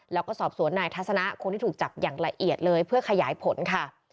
แล้วก็สอบสวนนายทัศนะคนที่ถูกจับอย่างละเอียดเลยเพื่อขยายผลค่ะ